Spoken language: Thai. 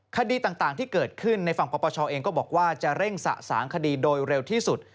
คดีต่างที่เกิดขึ้นในฝั่งปปชเองก็บอกว่าจะเร่งสะสางคดีโดยเร็วที่สุด